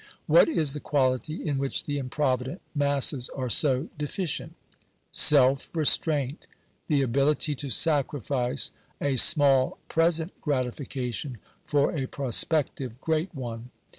What is the quality in which the improvident masses are so deficient? Self restraint — the ability to sacri fice a small present gratification for a prospective great one.